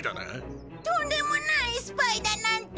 とんでもないスパイだなんて。